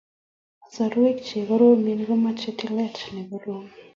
Kasarwek che koromen komoche tilet ne korom